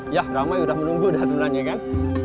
ya ramai sudah menunggu sebenarnya kan